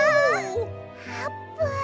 あーぷん！